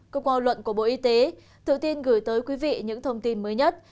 cơ quan luận của bộ y tế tự tin gửi tới quý vị những thông tin mới nhất